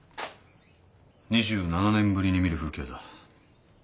２７年ぶりに見る風景だ。